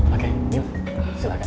oke mila silahkan